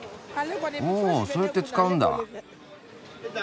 おそうやって使うんだあ。